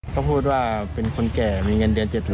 เขาพูดว่าเป็นคนแก่มีเงินเดือน๗๐๐